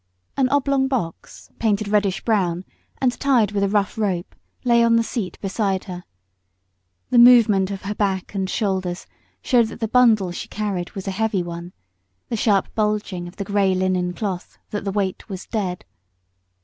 An oblong box painted reddish brown and tied with a rough rope lay on the seat beside her. The movement of her back and shoulders showed that the bundle she carried was a heavy one, the sharp bulging of the grey linen cloth that the weight was dead.